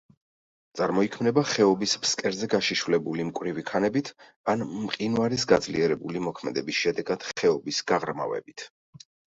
წარმოიქმნება ხეობის ფსკერზე გაშიშვლებული მკვრივი ქანებით ან მყინვარის გაძლიერებული მოქმედების შედეგად ხეობის გაღრმავებით.